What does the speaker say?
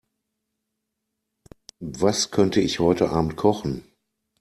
Was könnte ich heute Abend kochen?